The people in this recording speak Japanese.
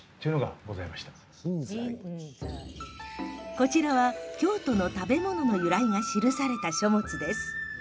こちらは京都の食べ物の由来が記された書物です。